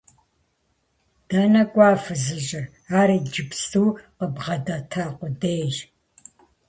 – Дэнэ кӀуа фызыжьыр? Ар иджыпсту къыббгъэдэта къудейщ.